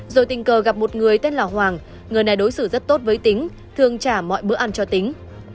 rồi tình cờ gặp một người tên là hoàng người này đối xử rất tốt với tính thường trả mọi bữa ăn cho tính